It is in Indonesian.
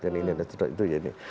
nah ini itu jadi